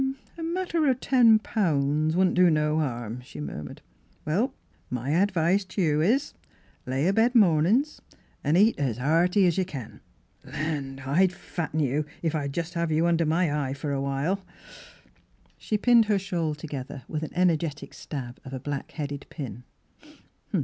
" A matter o' ten pounds wouldn't do no harm," she murmured. " Well, my ad vice t' you is, lay abed mornings, and eat es hearty es you kin. Land! I'd fatten Miss Fhilura's Wedding Gown you, if I'd jest have you under my eye fer a while." She pinned her shawl together with an energetic stab of a black headed pin.